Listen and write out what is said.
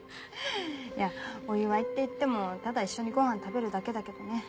いやお祝いっていってもただ一緒にごはん食べるだけだけどね。